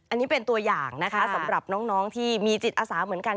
อันนี้เป็นตัวอย่างนะคะสำหรับน้องที่มีจิตอาสาเหมือนกัน